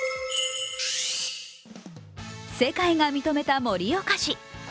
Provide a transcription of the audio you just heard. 世界が認めた盛岡市。